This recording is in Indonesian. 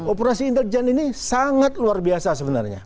operasi intelijen ini sangat luar biasa sebenarnya